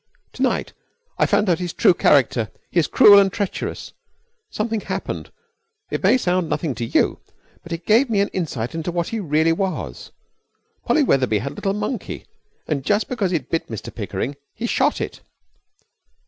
'To night. I found out his true character. He is cruel and treacherous. Something happened it may sound nothing to you, but it gave me an insight into what he really was. Polly Wetherby had a little monkey, and just because it bit Mr Pickering he shot it.'